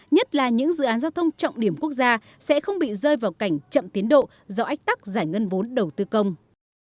nhất là những dự án giao thông trọng điểm quốc gia sẽ không bị rơi vào cảnh chậm tiến độ do ách tắc giải ngân vốn đầu tư công